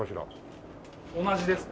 同じですね。